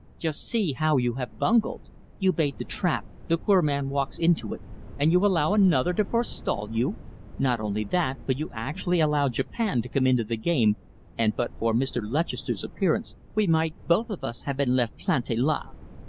"Just see how you have bungled! You bait the trap, the poor man walks into it, and you allow another to forestall you. Not only that, but you actually allow Japan to come into the game, and but for Mr. Lutchester's appearance we might both of us have been left planté là.